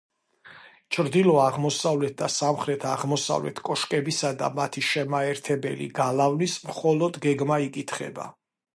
ჩრდილო-აღმოსავლეთ და სამხრეთ-აღმოსავლეთ კოშკებისა და მათი შემაერთებელი გალავნის მხოლოდ გეგმა იკითხება.